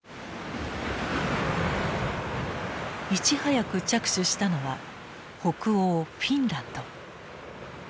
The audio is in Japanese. いち早く着手したのは北欧フィンランド。